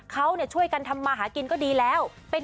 เขาช่วยกันทำมาหากินก็ดีแล้ว